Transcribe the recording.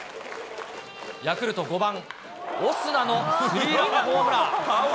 ヤクルト５番オスナのスリーランホームラン。